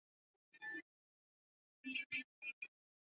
Mti ule una matunda.